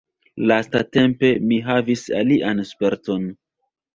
Lastatempe mi havis alian sperton.